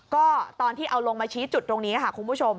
ก็ตอนที่เอาลงมาชี้จุดตรงนี้ค่ะคุณผู้ชม